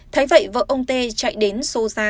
thấy vậy vợ ông t chạy đến xô ra